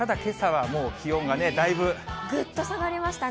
ただ、ぐっと下がりましたね。